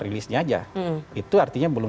release nya aja itu artinya belum